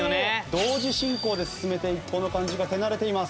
同時進行で進めていくこの感じが手慣れています。